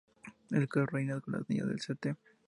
El caos reina con las niñas del St.